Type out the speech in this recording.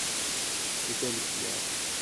C'est elle qui ira.